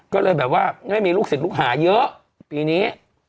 ก็เลยแบบว่าไม่มีลูกศิษย์ลูกหาเยอะปีนี้